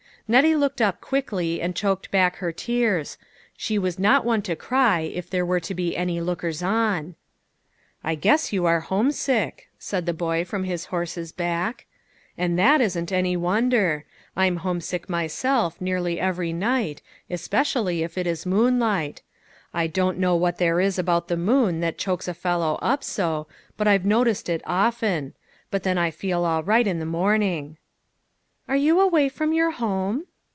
Nettie looked up quickly and choked back her tears. She was not one to cry, if there were to be any lookers on. " I guess you are homesick," said the boy from his horse's back ; and that isn't any wonder. I'm homesick myself, nearly every night, especially if it is moonlight. I don't know what there is about the moon that chokes a fellow up so, but I've noticed it often ; but then I feel all right in the morning." " Are you away from your home